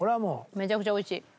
めちゃくちゃおいしい。